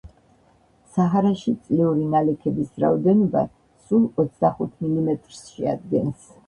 საჰარაში წლიური ნალექის რაოდენობა სულ ოცდახუთ მილიმეტრს შეადგენს.